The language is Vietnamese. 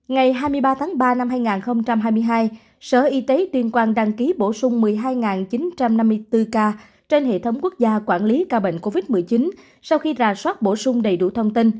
ngày hai mươi ba tháng ba năm hai nghìn hai mươi hai sở y tế tuyên quan đăng ký bổ sung một mươi hai đồng